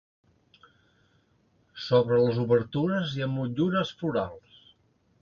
Sobre les obertures hi ha motllures florals.